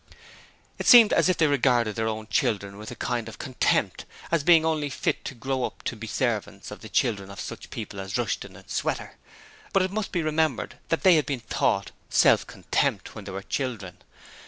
It seemed as if they regarded their own children with a kind of contempt, as being only fit to grow up to be the servants of the children of such people as Rushton and Sweater. But it must be remembered that they had been taught self contempt when they were children.